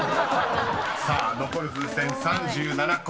［さあ残る風船３７個］